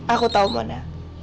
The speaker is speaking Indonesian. aku tau mona